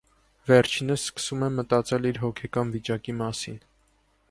Վերջինս սկսում է մտածել իր հոգեկան վիճակի մասին։